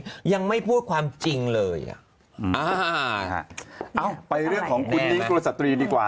ขึ้นตรงนี้ยังไม่พูดความจริงเลยไปเรื่องของคุณนิ้งค์กลุ่นสตรีดีกว่า